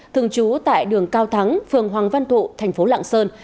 thường trú tại đường cao thắng phường hoàng văn thụ thành phố lạng sơn